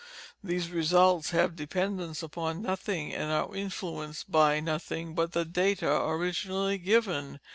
These results have dependence upon nothing, and are influenced by nothing but the _data _originally given.